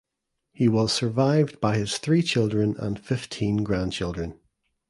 He was survived by his three children and fifteen grandchildren.